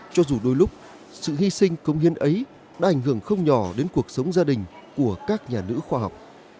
cho dù đôi lúc sự hy sinh công hiến ấy đã ảnh hưởng không nhỏ đến cuộc sống gia đình của các nhà nữ khoa học